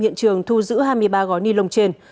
hiện trường thu giữ hai mươi ba gói ni lông trên